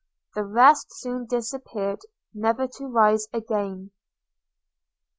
The rest soon disappeared, never to rise again!